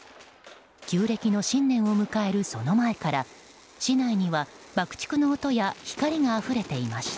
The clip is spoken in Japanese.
旧暦の新年を迎えるその前から市内には爆竹の音や光があふれていました。